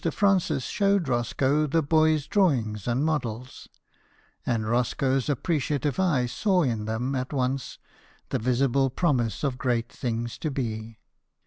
Francis showed Roscoe the boy's drawings and models ; and Roscoe's appreciative eye saw 68 BIOGRAPHIES OF WORKING MEN. in them at once the visible promise of great things to be.